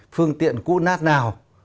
phương tiện cũ nát nào